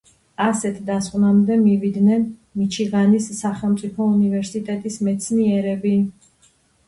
ასეთ დასკვნამდე მივიდნენ მიჩიგანის სახელმწიფო უნივერსიტეტის მეცნიერები.